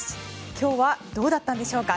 今日はどうだったんでしょうか。